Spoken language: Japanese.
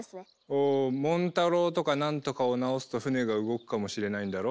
おモンタローとかなんとかをなおすと船が動くかもしれないんだろ？